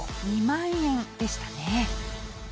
２万円でしたね。